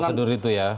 soal prosedur itu ya